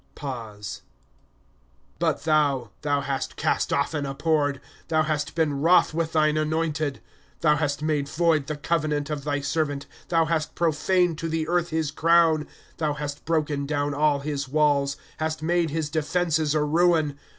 {Pause.) ^^ But thou, thou hast east off and abhorred ; Thou hast been wroth with thine anointed. '^ Thou hast made void the covenant of thy servant ; Thou hast profaned to the earth his crown. ^° Thou hast broken down all his walls ; Hast made his defenses a ruin.